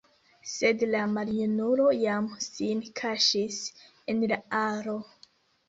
Sed la maljunulo jam sin kaŝis en la aro.